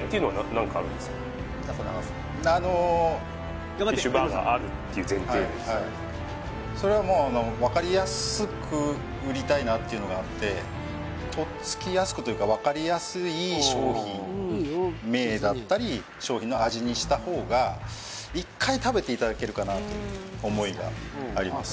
あのあの「フィッシュバーガーある」っていう前提でそれはもうなっていうのがあってとっつきやすくというかわかりやすい商品名だったり商品の味にした方が１回食べていただけるかなという思いがあります